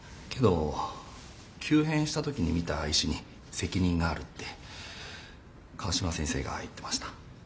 けど急変した時に診た医師に責任があるって川島先生が言ってました。